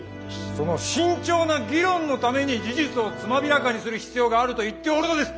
その慎重な議論のために事実をつまびらかにする必要があると言っておるのです！